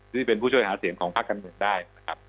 ที่เป็นผู้ช่วยหาเสียงของภาคการเมืองได้นะครับ